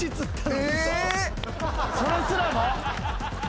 それすらも？